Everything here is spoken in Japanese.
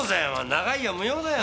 長居は無用だよ。